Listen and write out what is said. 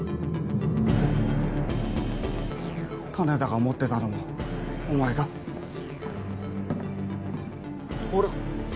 種田が持ってたのもお前が？ほら。